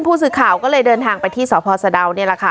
ผู้สื่อข่าวก็เลยเดินทางไปที่สพสะดาวนี่แหละค่ะ